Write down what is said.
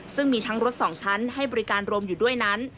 ซึ่งมีทั้งรถ๒ชั้นให้บริการรวมอยู่ด้วยนั้น